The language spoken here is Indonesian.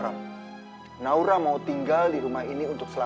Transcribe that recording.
tapi kan aku pengen bawa ini buat kamu